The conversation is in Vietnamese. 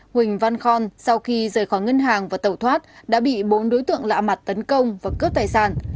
huỳnh văn khon sau khi rời khỏi ngân hàng và tẩu thoát đã bị bốn đối tượng lạ mặt tấn công và cướp tài sản